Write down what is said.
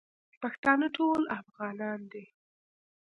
پښتانه ټول افغانان دی.